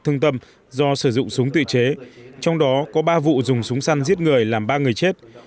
thương tâm do sử dụng súng tự chế trong đó có ba vụ dùng súng săn giết người làm ba người chết